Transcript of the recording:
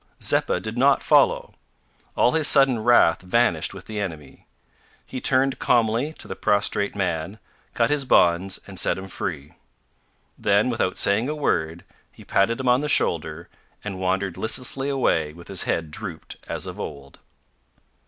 Zeppa did not follow. All his sudden wrath vanished with the enemy. He turned calmly to the prostrate man, cut his bonds, and set him free. Then, without saying a word, he patted him on the shoulder, and wandered listlessly away with his head dropped as of old.